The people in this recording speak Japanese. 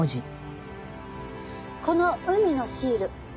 この「海」のシール